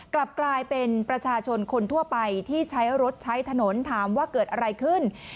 กลับกลายเป็นประชาชนคนทั่วไปที่ใช้รถใช้ถนนถามว่าเกิดอะไรขึ้น